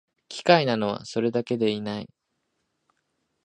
奇怪なのは、それだけでない